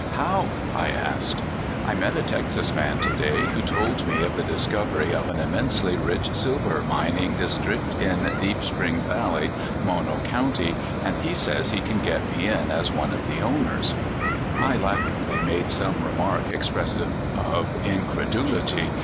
"How?" I asked. " I met a Texas man to day, who told me of the discovery of an immensely rich silver mining dis trict in Deep Spring Valley, Mono county, and he says he can get me in as one of the owners/' I laughingly made some remark expressive of incredulity.